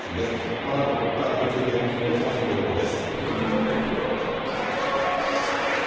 このあと、国会と中継を結んで最新情報です。